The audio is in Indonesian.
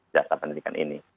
jasa pendidikan ini